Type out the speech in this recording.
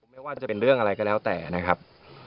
ไม่ว่าจะเป็นเรื่องอะไรก็แล้วแต่นะครับ